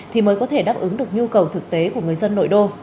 thì mới có thể đáp ứng được nhu cầu thực tế của người dân nội đô